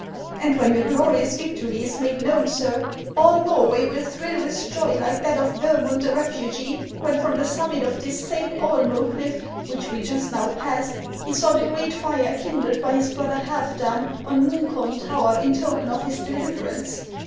And when your glorious victory is made known, sir, all Norway will thrill with joy like that of Vermund the Refugee, when from the summit of this same Oe'lmce cliff, which we just now passed, he saw the great fire kindled by his brother Halfdan on Muukholm tower in token of his deliverance."